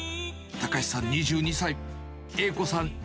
隆さん２２歳、栄子さん